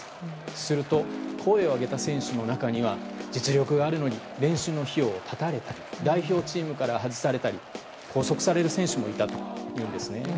すると、声を上げた選手の中には実力があるのに練習の費用を絶たれたり代表チームから外されたり拘束される選手もいたというんですね。